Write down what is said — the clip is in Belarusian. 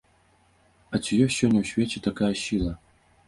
А ці ёсць сёння ў свеце такая сіла?